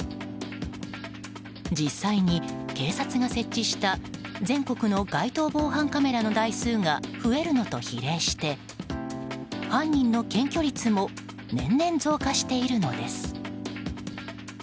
実際に、警察が設置した全国の街頭防犯カメラの台数が増えるのと比例して犯人の検挙率も年々、増加しているのです。